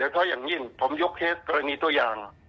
ใช่ค่ะ